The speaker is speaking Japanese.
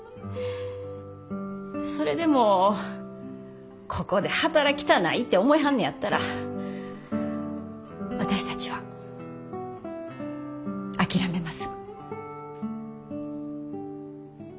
それでもここで働きたないて思いはんねやったら私たちは諦めます。